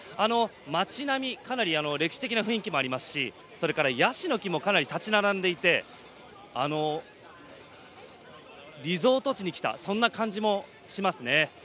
街並み、かなり歴史的な雰囲気もありますしそれから、やしの木もかなり立ち並んでいてリゾート地に来たそんな感じもしますね。